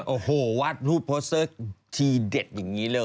โอ้โหวาดรูปโพสต์เซอร์ทีเด็ดอย่างนี้เลย